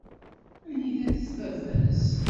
Anida-t baba-s?